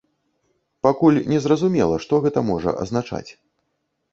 Пакуль незразумела, што гэта можа азначаць.